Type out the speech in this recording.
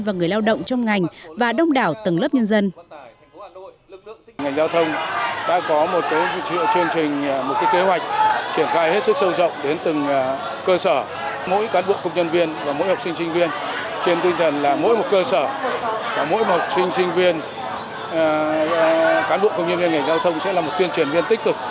và người lao động trong ngành và đông đảo tầng lớp nhân dân